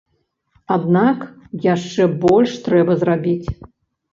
Аднак яшчэ больш трэба зрабіць.